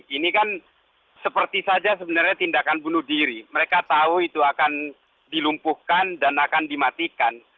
ini kan seperti saja sebenarnya tindakan bunuh diri mereka tahu itu akan dilumpuhkan dan akan dimatikan